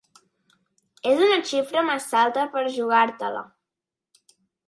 És una xifra massa alta per a jugar-te-la.